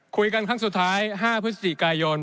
คุยกันครั้งสุดท้าย๕พฤษฎิกายน